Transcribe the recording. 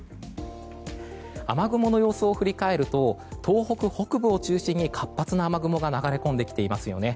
雨雲の様子を振り返ると東北北部を中心に活発な雨雲が流れ込んできていますよね。